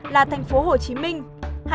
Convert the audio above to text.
là thành phố hồ chí minh